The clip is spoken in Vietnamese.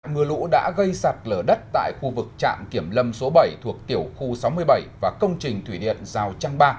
mưa lũ đã gây sạt lở đất tại khu vực trạm kiểm lâm số bảy thuộc tiểu khu sáu mươi bảy và công trình thủy điện giao trang ba